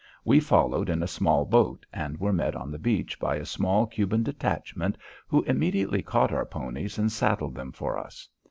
We followed in a small boat and were met on the beach by a small Cuban detachment who immediately caught our ponies and saddled them for us.